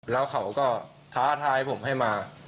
แล้วเขาก็ท้าทายผมให้มา